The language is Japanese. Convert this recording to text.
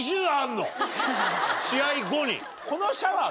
試合後に？